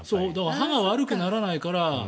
歯が悪くならないから。